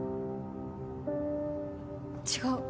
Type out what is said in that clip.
違う。